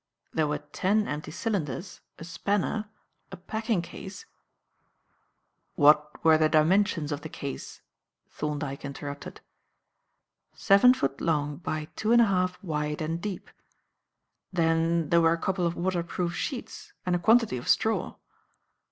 There were ten empty cylinders, a spanner, a packing case " "What were the dimensions of the case?" Thorndyke interrupted. "Seven feet long by two and a half wide and deep. Then there were a couple of waterproof sheets and a quantity of straw.